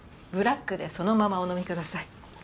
ブラックでそのままお飲みください。